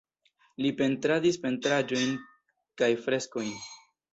Li pentradis pentraĵojn kaj freskojn.